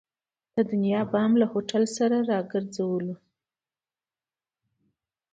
د دنیا بام له هوټل سره یې را وګرځولو.